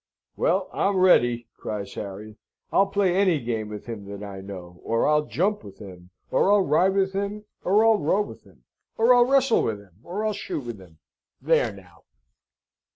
"Well, I'm ready!" cries Harry. "I'll play any game with him that I know, or I'll jump with him, or I'll ride with him, or I'll row with him, or I'll wrestle with him, or I'll shoot with him there now."